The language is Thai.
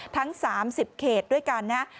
ทั้ง๓๐เขตด้วยกันนะ